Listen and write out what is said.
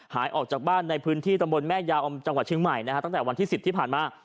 หายออกจากบ้านในพื้นที่ตำบลแม่ยาอมจังหวัดเชียงใหม่นะฮะตั้งแต่วันที่๑๐ที่ผ่านมา